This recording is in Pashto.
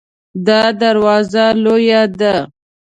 دا دروازه لویه ده